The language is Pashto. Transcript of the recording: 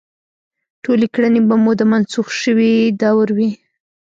ټولې کړنې به مو د منسوخ شوي دور وي.